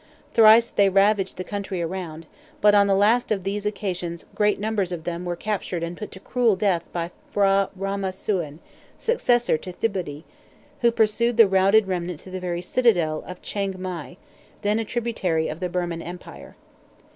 Thrice they ravaged the country around; but on the last of these occasions great numbers of them were captured and put to cruel death by P'hra Rama Suen, successor to Thibodi, who pursued the routed remnant to the very citadel of Chiengmai, then a tributary of the Birman Empire.